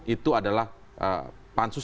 itu adalah pansus